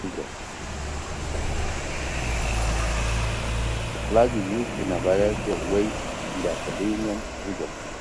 The flag is used in a variety of ways in the Acadiana region.